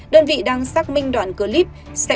đơn vị đang xác minh đoạn cơ líp